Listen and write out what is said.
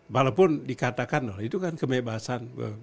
walaupun dikatakan itu kan kebebasan